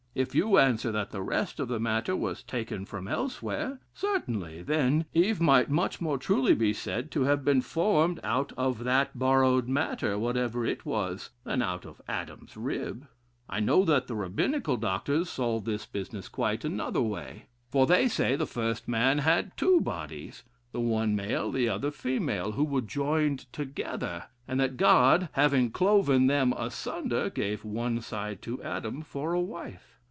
If you answer that the rest of the matter was taken from elsewhere, certainly, then, Eve might much more truly be said to have been formed out of that borrowed matter, whatever it was, than out of Adam's rib. I know that the Rabbinical doctors solve this business quite another way, for they say the first man had two bodies, the one male, the other female, who were joined together, and that God having cloven them asunder, gave one side to Adam for a wife.